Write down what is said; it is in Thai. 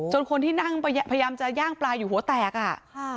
คนที่นั่งพยายามจะย่างปลาอยู่หัวแตกอ่ะค่ะ